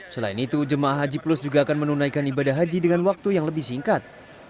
selain itu jemaah haji plus juga akan menunaikan ibadah haji dengan waktu yang lebih singkat